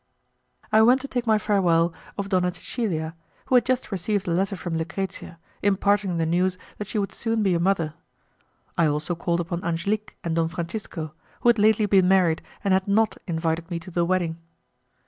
I went to take my farewell of Donna Cecilia, who had just received a letter from Lucrezia, imparting the news that she would soon be a mother. I also called upon Angelique and Don Francisco, who had lately been married and had not invited me to the wedding.